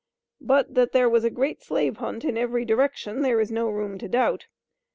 But that there was a great slave hunt in every direction there is no room to doubt.